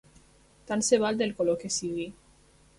Tant se val del color que sigui.